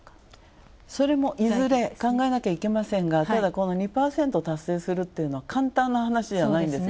それもいずれ考えなきゃいけませんが、ただこの２％達成するっていうのは簡単な話ではないんです。